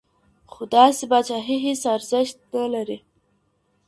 خو داسي پاچاهي هیڅ ارزښت نه لري.